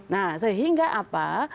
nah sehingga apa